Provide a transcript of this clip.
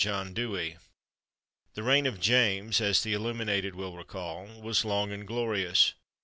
John Dewey. The reign of James, as the illuminated will recall, was long and glorious.